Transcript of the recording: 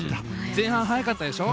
前半早かったでしょ？